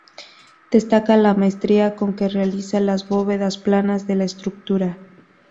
Destaca la maestría con que realiza las bóvedas planas de la estructura.